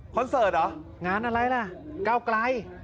เสิร์ตเหรองานอะไรล่ะก้าวไกล